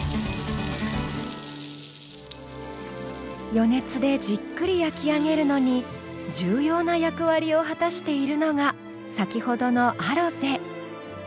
余熱でじっくり焼き上げるのに重要な役割を果たしているのが先ほどのアロゼ。